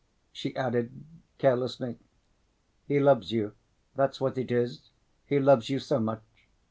she added carelessly. "He loves you, that's what it is: he loves you so much.